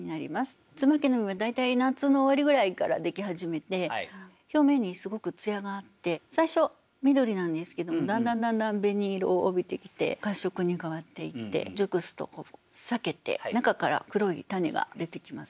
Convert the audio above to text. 椿の実は大体夏の終わりぐらいからでき始めて表面にすごく艶があって最初緑なんですけどもだんだんだんだん紅色を帯びてきて褐色に変わっていって熟すと裂けて中から黒い種が出てきます。